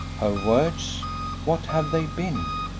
Her words? What have they been?